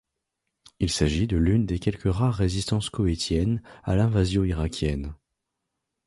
Il s'agit de l'une des quelques rares résistances koweïtiennes à l'invasion irakienne.